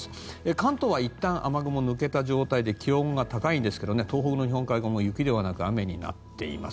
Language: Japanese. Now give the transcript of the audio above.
関東はいったん、雨雲が抜けた状態で気温が高いんですが東北の日本海側も雪ではなく雨になっています。